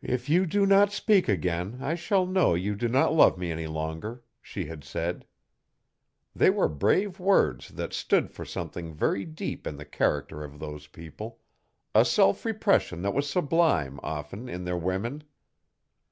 'If you do not speak again I shall know you do not love me any longer,' she had said. They were brave words that stood for something very deep in the character of those people a self repression that was sublime, often, in their women.